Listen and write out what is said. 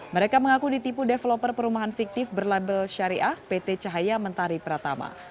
mereka mengaku ditipu developer perumahan fiktif berlabel syariah pt cahaya mentari pratama